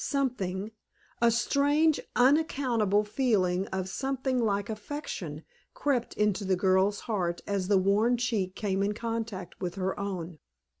Something a strange, unaccountable feeling of something like affection crept into the girl's heart as the worn cheek came in contact with her own.